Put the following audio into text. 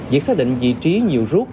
việc xác định vị trí nhiều rút